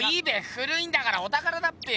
古いんだからおたからだっぺよ！